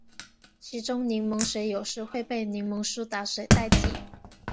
其中柠檬水有时会被柠檬苏打水代替。